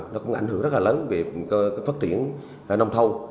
nó cũng ảnh hưởng rất là lớn về việc phát triển nông thôn